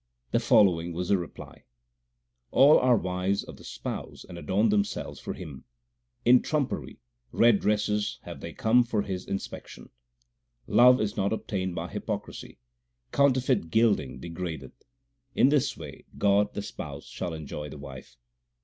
The following was the reply : All are wives of the Spouse and adorn themselves for Him. In trumpery red dresses have they come for His in spection. 1 Love is not obtained by hypocrisy ; counterfeit gilding degradeth. In this way God the Spouse shall enjoy the wife.